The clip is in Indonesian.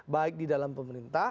baik di dalam pemerintah